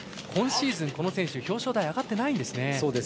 今シーズン、この選手表彰台上がってないんですね。